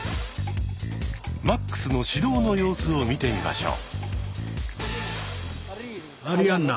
マックスの指導の様子を見てみましょう。